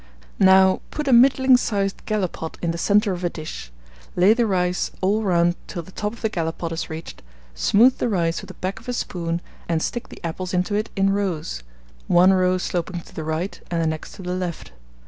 Now put a middling sized gallipot in the centre of a dish; lay the rice all round till the top of the gallipot is reached; smooth the rice with the back of a spoon, and stick the apples into it in rows, one row sloping to the right and the next to the left.